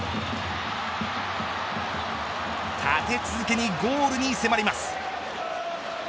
立て続けにゴールに迫ります。